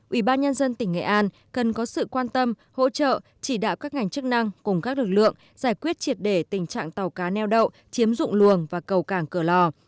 ủy ban nhân dân tỉnh nghệ an cần có sự quan tâm hỗ trợ chỉ đạo các ngành chức năng cùng các lực lượng giải quyết triệt để tình trạng tàu cá neo đậu chiếm dụng luồng và cầu cảng cửa lò